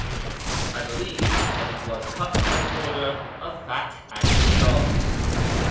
I believe that it was cut by order of Fath 'Ali Shah.